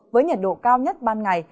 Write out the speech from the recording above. với nhiệt độ cao nhất ban ngày